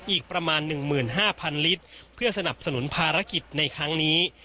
อีกประมาณ๑๕๐๐๐ลิตรเพื่อสนับสนุนภารกิจในครั้งนี้